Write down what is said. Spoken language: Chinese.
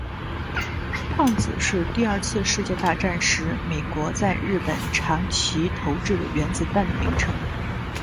胖子是第二次世界大战时美国在日本长崎投掷的原子弹的名称。